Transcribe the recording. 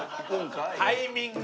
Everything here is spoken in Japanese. タイミング！